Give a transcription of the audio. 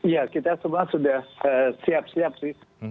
ya kita semua sudah siap siap sih